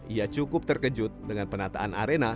ia cukup terkejut dengan penataan arena